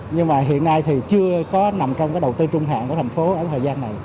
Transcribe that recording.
nhưng mà hiện nay thì chưa có nằm trong cái đầu tư trung hạn của thành phố ở thời gian này